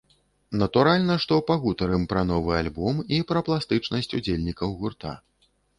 Натуральна, што пагутарым пра новы альбом і пра пластычнасць удзельнікаў гурта.